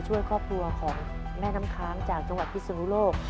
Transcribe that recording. ช่วยครอบครัวของแม่น้ำค้างจากจังหวัดพิศนุโลก